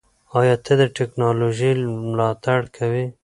ایا ته د ټیکنالوژۍ ملاتړ کوې؟